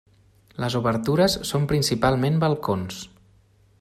Les obertures són principalment balcons.